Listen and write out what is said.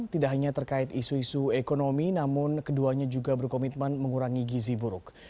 tidak hanya terkait isu isu ekonomi namun keduanya juga berkomitmen mengurangi gizi buruk